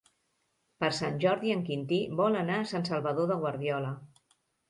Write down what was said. Per Sant Jordi en Quintí vol anar a Sant Salvador de Guardiola.